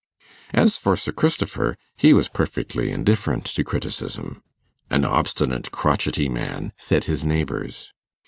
As for Sir Christopher, he was perfectly indifferent to criticism. 'An obstinate, crotchety man,' said his neighbours.